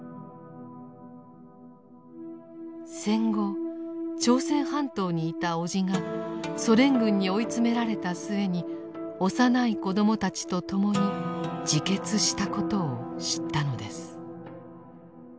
戦後朝鮮半島にいた叔父がソ連軍に追い詰められた末に幼い子供たちと共に自決したことを知ったのです。